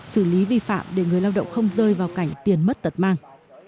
xử lý vi phạm để người lao động không rơi vào cảnh tiền mất tật mang